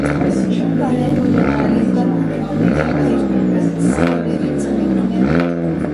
Պարաբոլը կոնական հատույթների երկու բաց կորերից մեկն է։